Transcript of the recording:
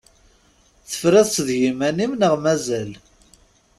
Tefriḍ-tt d yiman-im neɣ mazal?